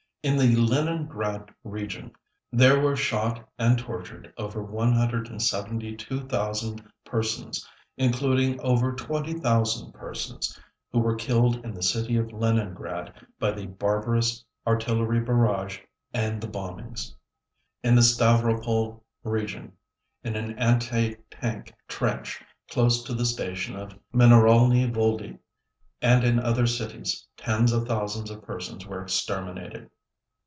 In the Leningrad region there were shot and tortured over 172,000 persons, including over 20,000 persons who were killed in the city of Leningrad by the barbarous artillery barrage and the bombings. In the Stavropol region in an anti tank trench close to the station of Mineralny Vody, and in other cities, tens of thousands of persons were exterminated.